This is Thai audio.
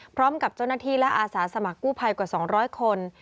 พร้อมกับเจ้าหน้าที่และอาสาสมัครกู้ภัยกว่า๒๐๐คน